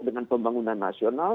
dengan pembangunan nasional